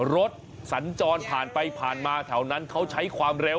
สัญจรผ่านไปผ่านมาแถวนั้นเขาใช้ความเร็ว